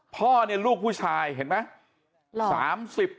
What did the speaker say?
พ่อเนี่ยลูกผู้ชายเห็นไหม